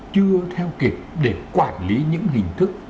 chưa theo kịp để quản lý những hình thức